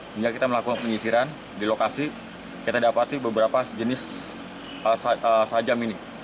sehingga kita melakukan penyisiran di lokasi kita dapat beberapa jenis tajam ini